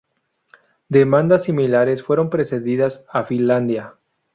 Demandas similares fueron precedidas a Finlandia.